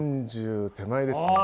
４０手前ですね。